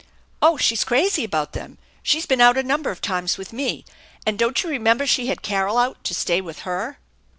" Oh, she's crazy about them. She's been out a number of times with me, and don't you remember she had Carol out to stay with her?"